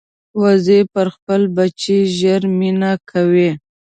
وزې پر خپل بچي ژر مینه کوي